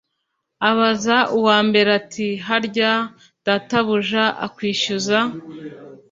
abaza uwa mbere ati harya databuja akwishyuza